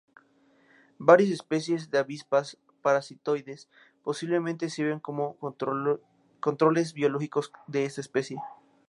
Varias especies de avispas parasitoides posiblemente sirven como controles biológicos de esta especie.